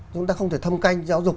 t sprechen ở đây được